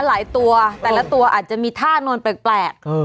หลายตัวแต่ละตัวอาจจะมีท่านวลแปลก